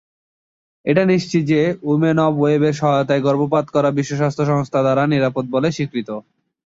এটি নিশ্চিত যে, উইমেন অব ওয়েবের সহায়তায় গর্ভপাত করা বিশ্ব স্বাস্থ্য সংস্থা দ্বারা নিরাপদ বলে স্বীকৃত।